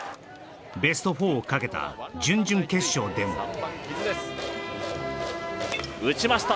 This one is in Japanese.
ベスト４をかけた準々決勝でも打ちました